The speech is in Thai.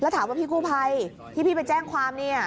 ถามว่าพี่กู้ภัยที่พี่ไปแจ้งความเนี่ย